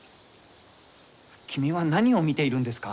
君は何を見ているんですか？